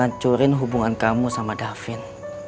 hancurin hubungan kamu sama david